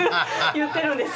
言ってるんです。